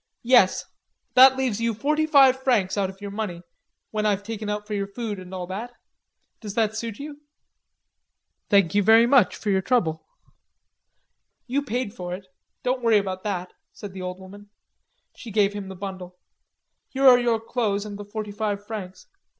"Yes. That leaves you forty five francs out of your money, when I've taken out for your food and all that. Does that suit you?" "Thank you very much for your trouble." "You paid for it. Don't worry about that," said the old woman. She gave him the bundle. "Here are your clothes and the forty five francs.